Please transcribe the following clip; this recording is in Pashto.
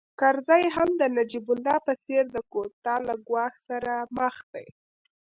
کرزی هم د نجیب الله په څېر د کودتا له ګواښ سره مخ دی